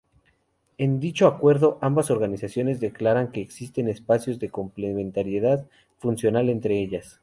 En dicho acuerdo, ambas organizaciones declaran que existen espacios de complementariedad funcional entre ellas.